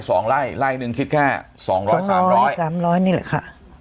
สองไร่ไล่ไล่หนึ่งคิดแค่สองร้อยสามร้อยสามร้อยนี่แหละค่ะ